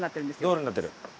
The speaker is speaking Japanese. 道路になってる。